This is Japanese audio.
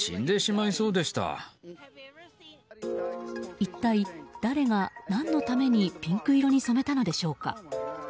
一体、誰が何のためにピンク色に染めたのでしょうか。